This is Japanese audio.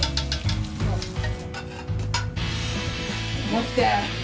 持って。